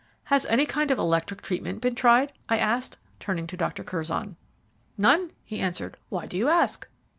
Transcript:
"Has any kind of electrical treatment been tried?" I asked, turning to Dr. Curzon. "None," he answered. "Why do you ask?"